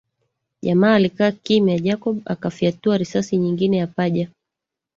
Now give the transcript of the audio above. Jamaa alikaa kimya Jacob akafyatua risasi nyingine ya paja